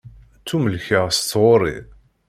Ttumellkeɣ s tɣuri.